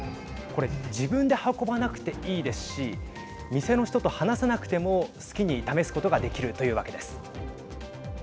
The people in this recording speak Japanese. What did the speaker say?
これ自分で運ばなくていいですし店の人と話さなくても好きに、試すことができるというわけです。